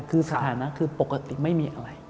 คือสถานะคือปกติไม่มีอะไร